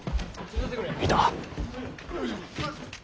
いた。